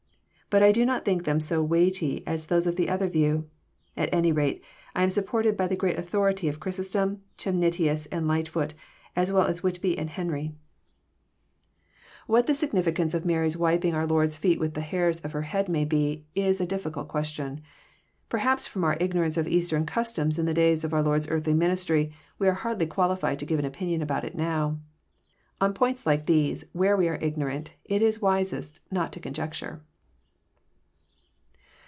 But I do not think them so weighty as those of the other view. At any late, I am sup ported by the great authority of Chrysostom, Chemnitlus, and Lightfoot, as well as of Whitby and Henry. 14 314 EXFOsrroRT thoughts. What the signiflcance of Mary's wiping onr Lord's feet with the hairs of her head may be, is a difflcalt qnestioD. Perhaps, from our ignorance of Eastern customs in the days of onr Lord*s earthly ministry, we are hardly qualified to give an opinion about it now. On points like these, where we are Ignorant, it is wisest not to conjecture.